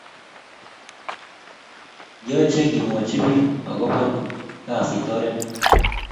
Kiyache kimwachi pik ako bo kasit oret